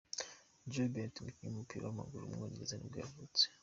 Joe Bennett, umukinnyi w’umupira w’amaguru w’umwongereza nibwo yavutse.